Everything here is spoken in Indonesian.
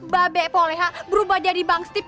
babe puleha berubah jadi bang stip